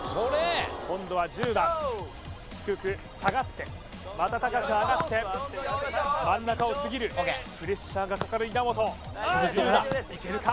今度は１０番低く下がってまた高く上がって真ん中をすぎるプレッシャーがかかる稲本１０番いけるか？